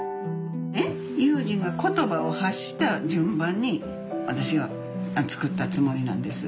悠仁が言葉を発した順番に私は作ったつもりなんです。